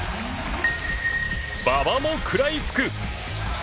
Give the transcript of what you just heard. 馬場も食らいつく！